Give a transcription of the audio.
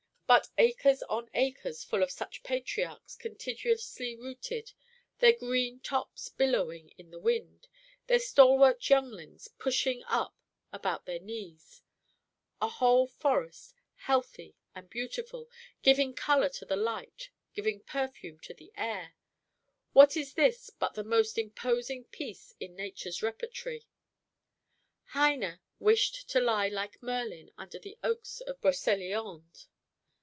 But acres on acres full of such patriarchs contiguously rooted, their green tops billowing in the wind, their stalwart younglings pushing up about their knees: a whole forest, healthy and beautiful, giving colour to the light, giving perfume to the air: what is this but the most imposing piece in nature's repertory? Heine wished to lie like Merlin under the oaks of Broceliande.